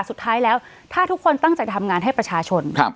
สุดท้ายแล้วถ้าทุกคนตั้งใจทำงานให้ประชาชน